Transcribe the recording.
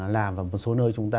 làm và một số nơi chúng ta